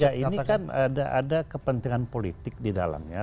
ijma ulama ketiga ini kan ada kepentingan politik di dalamnya